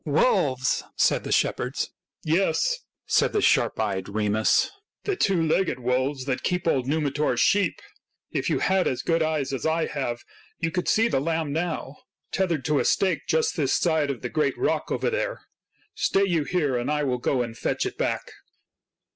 " Wolves !" said the shepherds. " Yes," said the sharp sighted Remus, " the two legged wolves that keep old Numitor's sheep ! If you had as good eyes as I have, you could see the lamb now, tethered to a stake just this side of the great rock over there. Stay you here, and I will go and fetch it back."